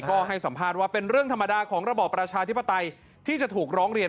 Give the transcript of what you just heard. ก็ให้สัมภาษณ์ว่าเป็นเรื่องธรรมดาของระบอบประชาธิปไตยที่จะถูกร้องเรียน